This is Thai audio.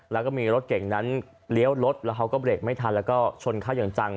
แล้วก็มีรถเก่งนั้นเลี้ยวรถแล้วเขาก็เบรกไม่ทันแล้วก็ชนเข้าอย่างจัง